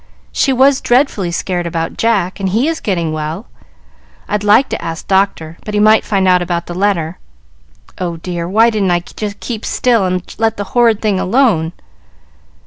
She was dreadfully scared about Jack, and he is getting well. I'd like to ask Doctor, but he might find out about the letter. Oh, dear, why didn't I keep still and let the horrid thing alone!"